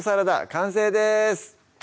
完成です